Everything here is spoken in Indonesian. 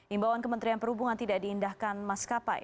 imbauan kementerian perhubungan tidak diindahkan mas kapai